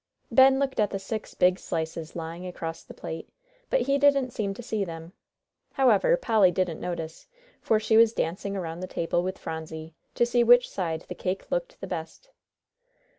Ben looked at the six big slices lying across the plate, but he didn't seem to see them. However, Polly didn't notice, for she was dancing around the table with Phronsie, to see which side the cake looked the best.